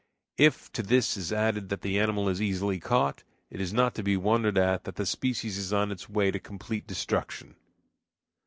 If to this is added that the animal is easily caught, it is not to be wondered at that the species is on its way to complete destruction.